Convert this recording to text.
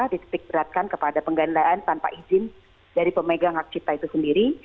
disetik beratkan kepada penggandaan tanpa izin dari pemegang hak cipta itu sendiri